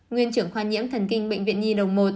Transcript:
nguyên trưởng khoa nhiễm thần kinh bệnh viện nhi đồng một